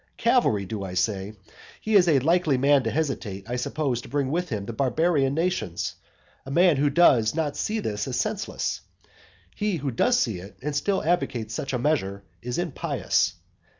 Cavalry do I say? He is a likely man to hesitate, I suppose, to bring with him the barbarian nations, a man who does not see this is senseless, he who does see it, and still advocates such a measure, is impious.